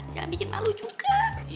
jangan bikin malu juga